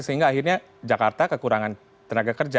sehingga akhirnya jakarta kekurangan tenaga kerja